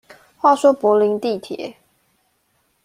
話說柏林地鐵